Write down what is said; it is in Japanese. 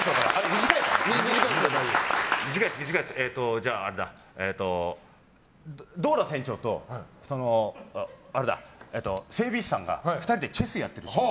じゃあ、ドーラ船長と整備員さんが２人でチェスやってるシーン。